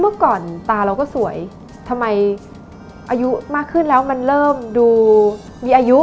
เมื่อก่อนตาเราก็สวยทำไมอายุมากขึ้นแล้วมันเริ่มดูมีอายุ